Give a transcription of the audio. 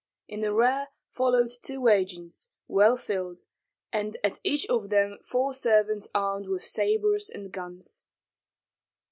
In the rear followed two wagons, well filled, and at each of them four servants armed with sabres and guns.